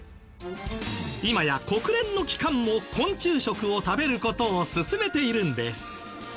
今や国連の機関も昆虫食を食べる事を勧めているんです。